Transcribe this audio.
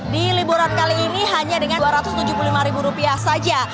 di liburan kali ini hanya dengan rp dua ratus tujuh puluh lima saja